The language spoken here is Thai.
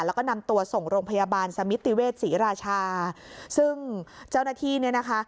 แล้วก็นำตัวส่งโรงพยาบาลสมิติเวชศรีราชาซึ่งเจ้าหน้าที่เนี่ยนะคะ